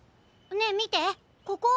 ねえみてここ！